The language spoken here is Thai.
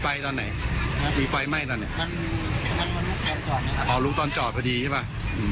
แอบไล่มาเลยครับโดยจะลุกรถต้องกลับมา